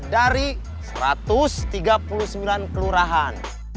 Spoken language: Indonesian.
dari satu ratus tiga puluh sembilan kelurahan